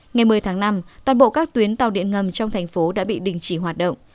ngày một mươi tháng năm toàn bộ các tuyến tàu điện ngầm trong thành phố đã bị đình chỉ hoạt động